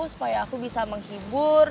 supaya aku bisa menghibur